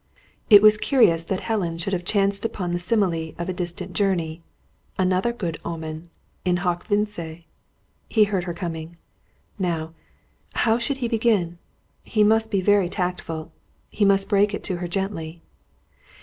It was curious that Helen should have chanced upon the simile of a distant journey. Another good omen! In hoc vince! He heard her coming. Now how should he begin? He must be very tactful. He must break it to her gently.